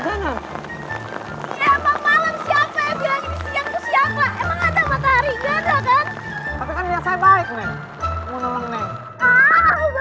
tapi bener ya